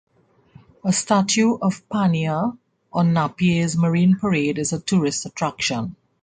A statue of Pania on Napier's Marine Parade is a tourist attraction.